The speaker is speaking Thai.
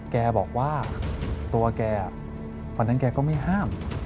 แกบอกว่าตัวแกวันนั้นแกก็ไม่ห้าม